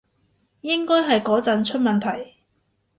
應該係嗰陣出問題